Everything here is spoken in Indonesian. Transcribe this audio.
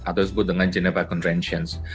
atau disebut dengan geneva conventions